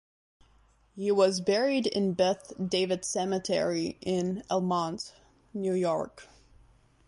He was buried in Beth David Cemetery in Elmont, New York.